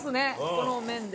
この麺で。